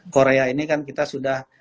korea ini kan kita sudah